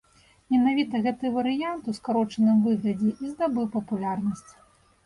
Менавіта гэты варыянт у скарочаным выглядзе і здабыў папулярнасць.